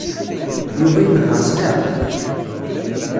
Yuba inehheṛ s leɛqel.